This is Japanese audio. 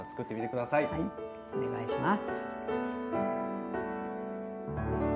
はいお願いします。